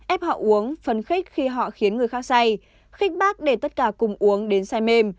êp họ uống phấn khích khi họ khiến người khác say khích bác để tất cả cùng uống đến say mềm